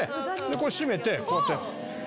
こう閉めて、こうやって。